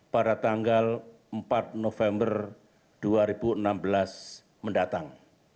pada tanggal empat november dua ribu enam belas mendatang